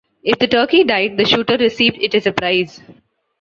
If the turkey died, the shooter received it as a prize.